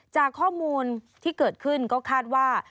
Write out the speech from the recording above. จากข้อมูลที่เกิดขึ้นก็คาดว่า